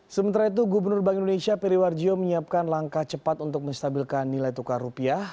sementara itu gubernur bank indonesia periwarjo menyiapkan langkah cepat untuk menstabilkan nilai tukar rupiah